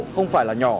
không có gì